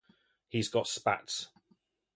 He's got spats.